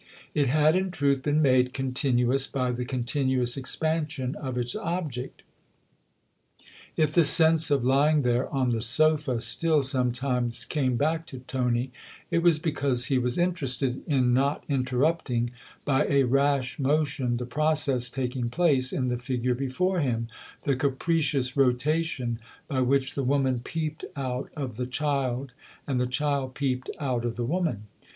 It had in truth been made continuous by the continuous expansion of its object. If the sense of lying there on the sofa still sometimes came back to Tony, it was because he was interested in not interrupting by a rash motion the process taking place in the figure before him, the capricious rotation by which the woman peeped out of the child and the child peeped out of the woman.